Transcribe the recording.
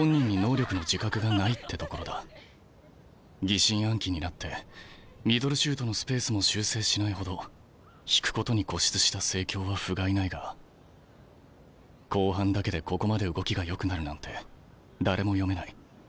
疑心暗鬼になってミドルシュートのスペースも修正しないほど引くことに固執した成京はふがいないが後半だけでここまで動きがよくなるなんて誰も読めない。